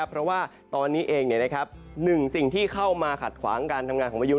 เพราะว่าตอนนี้เองหนึ่งสิ่งที่เข้ามาขัดขวางการทำงานของพายุ